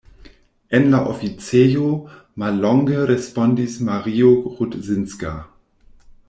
En la oficejo, mallonge respondis Mario Rudzinska.